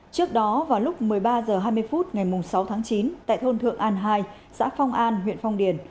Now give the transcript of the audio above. trước đó vào lúc một mươi ba h hai mươi phút ngày sáu tháng chín tại thôn thượng an hai xã phong an huyện phong điền